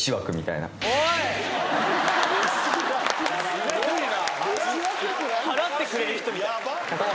すごいな。